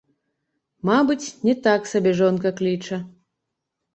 Мабыць, не так сабе жонка кліча.